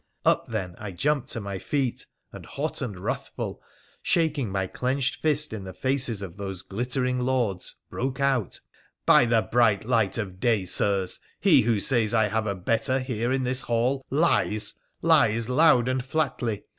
Up, then, I jumped to my feet, and hot and wrathful, shaking my clenched fist in the faces of those glittering lords, broke out, ' By the bright light of day, Sirs, he who says I have a better here in this hall, lies — lies loud and flatly.